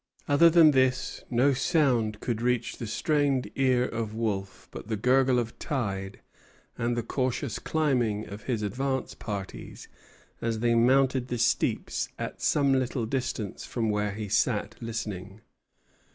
Other than this no sound could reach the strained ear of Wolfe but the gurgle of the tide and the cautious climbing of his advance parties as they mounted the steeps at some little distance from where he sat listening.